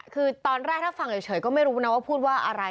คือตอนแรกถ้าฟังเฉยก็ไม่รู้นะว่าพูดว่าอะไร